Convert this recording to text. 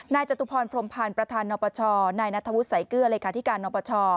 นจตุพรพรมพันธ์ประธานนปชนณฑวุษย์ไสเกลือรคนปช